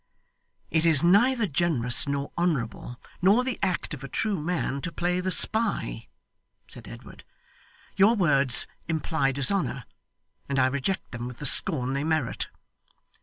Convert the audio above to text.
'It is neither generous, nor honourable, nor the act of a true man to play the spy,' said Edward. 'Your words imply dishonour, and I reject them with the scorn they merit.